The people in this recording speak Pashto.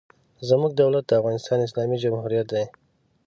زموږ دولت د افغانستان اسلامي جمهوریت دی.